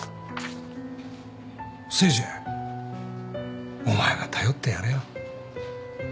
誠治お前が頼ってやれよ。